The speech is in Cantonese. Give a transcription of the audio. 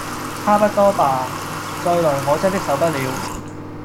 差不多吧！再來我真的受不了